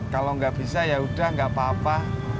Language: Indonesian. kalau gak bisa ya udah gak apa apa